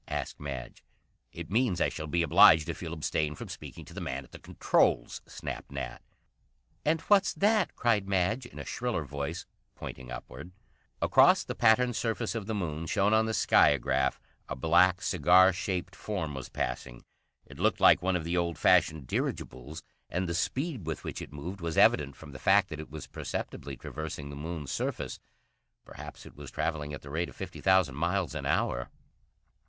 asked Madge. "It means I shall be obliged if you'll abstain from speaking to the man at the controls," snapped Nat. "And what's that?" cried Madge in a shriller voice, pointing upward. Across the patterned surface of the Moon, shown on the skiagraph, a black, cigar shaped form was passing. It looked like one of the old fashioned dirigibles, and the speed with which it moved was evident from the fact that it was perceptibly traversing the Moon's surface. Perhaps it was travelling at the rate of fifty thousand miles an hour.